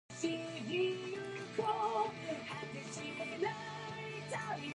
There are currently two versions available: Korean Mir and Chinese Mir.